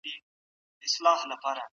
سیال هیواد بهرنی سیاست نه بدلوي.